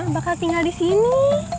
bakal tinggal disini